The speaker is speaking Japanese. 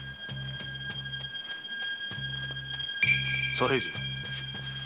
左平次。